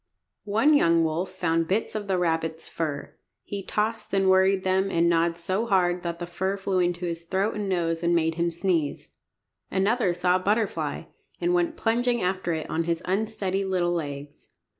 One young wolf found bits of the rabbit's fur. He tossed and worried them, and gnawed so hard that the fur flew in his throat and nose and made him sneeze. Another saw a butterfly, and went plunging after it on his unsteady little legs.